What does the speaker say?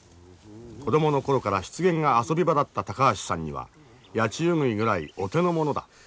子供の頃から湿原が遊び場だった高橋さんにはヤチウグイぐらいお手の物だ。